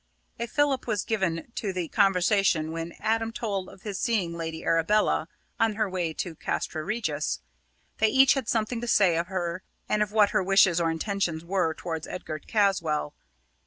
A fillip was given to the conversation when Adam told of his seeing Lady Arabella, on her way to Castra Regis. They each had something to say of her, and of what her wishes or intentions were towards Edgar Caswall.